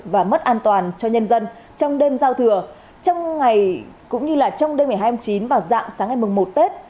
và mất an toàn cho nhân dân trong đêm giao thừa trong ngày cũng như trong đêm ngày hai mươi chín và dạng sáng ngày mùng một tết